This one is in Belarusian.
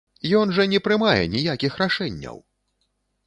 Ён жа не прымае ніякіх рашэнняў!